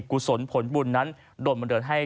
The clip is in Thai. กุศลผลบุญนั้นโดนบันเดินให้